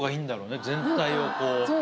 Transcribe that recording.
全体をこう。